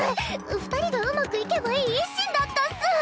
二人がうまくいけばいい一心だったっス。